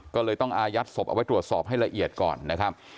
ก็เลยต้องอายัดศพเอาไว้ตรวจสอบให้ละเอียดก่อนนะครับ